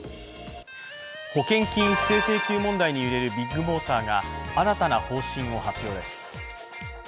保険金不正請求問題に揺れるビッグモーターが新たな方針を発表です。